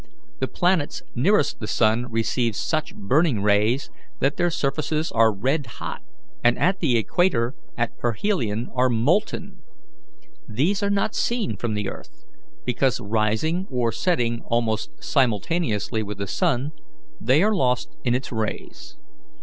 The planets nearest the sun receive such burning rays that their surfaces are red hot, and at the equator at perihelion are molten. These are not seen from the earth, because, rising or setting almost simultaneously with the sun, they are lost in its rays.